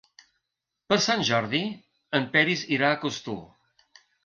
Per Sant Jordi en Peris irà a Costur.